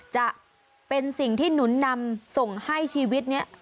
จะเป็นสิ่งที่หนุนนำส่งให้ชีวิตนี้